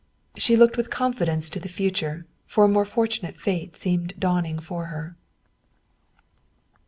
She looked with con fidence to the future, for a more fortunate fate seemed dawning for her.